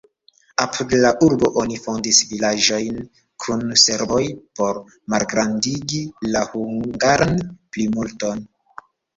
Apud la urbo oni fondis vilaĝojn kun serboj por malgrandigi la hungaran plimulton.